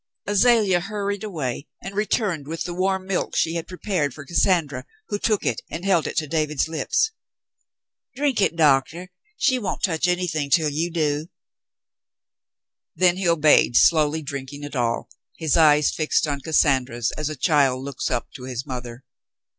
Azalea hurried away and returned w4th the warm milk she had prepared for Cassandra, who took it and held it to David's lips. "Drink it, Doctah. She won't touch anything till you do." David Thryng Awakes 175 Then he obeyed, slowly drinking it all, his eyes fixed on Cassandra's as a child looks up to his mother.